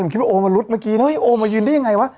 ผมคิดว่าโอมารุดเมื่อกี้เฮ้ยโอมายืนได้ยังไงวะ